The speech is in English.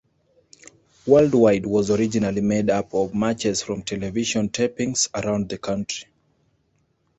"WorldWide" was originally made up of matches from television tapings around the country.